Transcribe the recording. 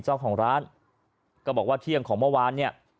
เจ้าของร้านก็บอกว่าเที่ยงของเมื่อวานเนี่ย